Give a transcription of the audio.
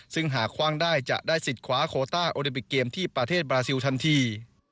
ซึ่งหากคว่างได้จะได้สิทธิ์คว้าโคต้าโอลิปิกเกมที่ประเทศบราซิลทันที